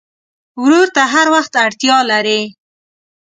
ورور ته هر وخت اړتیا لرې.